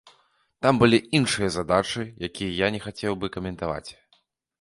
Там былі іншыя задачы, якія я не хацеў бы каментаваць.